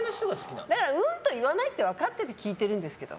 うんと言わないって分かってて聞いてるんですけど。